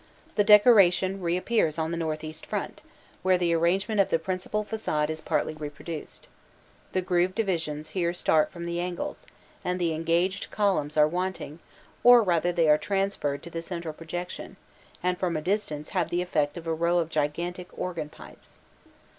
The decoration reappears on the north east front, where the arrangement of the principal facade is partly reproduced. The grooved divisions here start from the angles, and the engaged columns are wanting, or rather they are transferred to the central projection, and from a distance have the effect of a row of gigantic organ pipes.